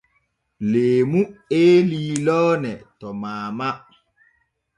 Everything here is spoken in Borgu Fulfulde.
Leemu eelii loone to maama.